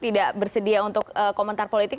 tidak bersedia untuk komentar politik